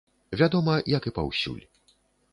Вядома, як і паўсюль.